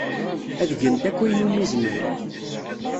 Ad gent akk ayen umi zemrent.